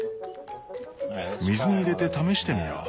水に入れて試してみよう。